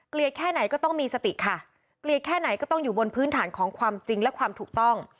แค่ไหนก็ต้องมีสติค่ะเกลียดแค่ไหนก็ต้องอยู่บนพื้นฐานของความจริงและความถูกต้อง